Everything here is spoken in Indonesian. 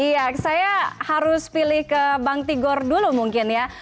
iya saya harus pilih ke bang tigor dulu mungkin ya